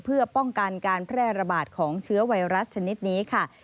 เพื่อป้องกันการแพร่ระบาดของเชื้อไวรัสชนิดนี้ค่ะ